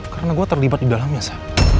karena gue terlibat di dalamnya sa